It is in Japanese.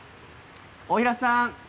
大平さん